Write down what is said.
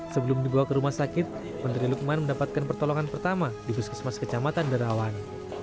sebelum dibawa ke rumah sakit menteri lukman mendapatkan pertolongan pertama di puskesmas kecamatan darawan